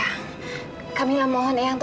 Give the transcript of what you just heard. jadi kak fadil nggak sempat nganterin kamu